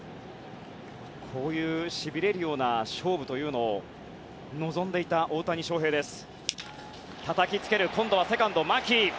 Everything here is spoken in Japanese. こういうしびれるような勝負を望んでいた大谷翔平です。